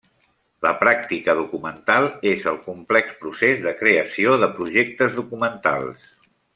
La pràctica documental és el complex procés de creació de projectes documentals.